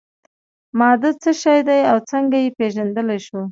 ماده څه شی ده او څنګه یې پیژندلی شو.